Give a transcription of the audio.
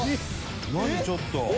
ちょっと。